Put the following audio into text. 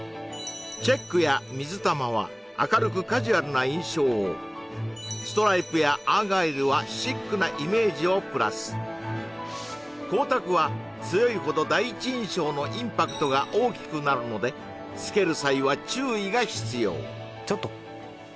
チェックや水玉は明るくカジュアルな印象をストライプやアーガイルはシックなイメージをプラス光沢は強いほど第一印象のインパクトが大きくなるので着ける際は注意が必要